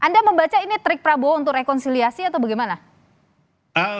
anda membaca ini trik prabowo untuk rekonsiliasi atau bagaimana